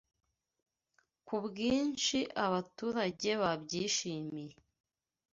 ku bwinshi abaturage babyishimiye